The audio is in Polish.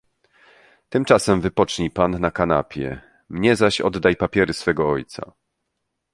"Tymczasem wypocznij pan na kanapie, mnie zaś oddaj papiery swego ojca."